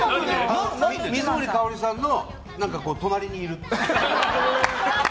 水森かおりさんの隣にいるっていう。